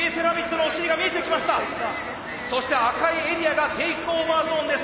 そして赤いエリアがテイクオーバーゾーンです。